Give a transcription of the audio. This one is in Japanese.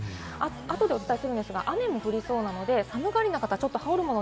後でお伝えしますが、雨も降りそうなので、寒がりな方、羽織るもの